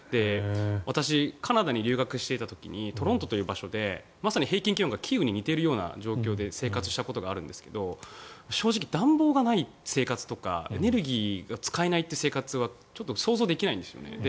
私、カナダに留学していた時にトロントという場所でまさに平均気温がキーウに似ているような状況で生活をしていたんですが正直、暖房がない生活とかエネルギーが使えないという生活がちょっと想像できないんですよね。